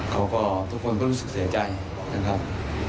ทุกคนก็รู้สึกเสียใจนะครับ